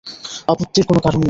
আপত্তির কোনো কারণ নেই।